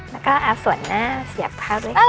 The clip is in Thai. แล้วก็ส่วนหน้าเสียบข้าวด้วยกัน